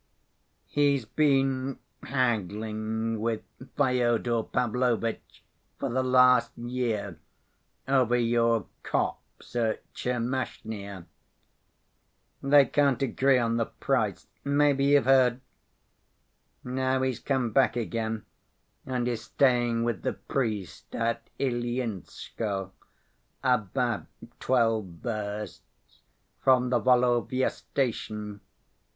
He's been haggling with Fyodor Pavlovitch for the last year, over your copse at Tchermashnya. They can't agree on the price, maybe you've heard? Now he's come back again and is staying with the priest at Ilyinskoe, about twelve versts from the Volovya station.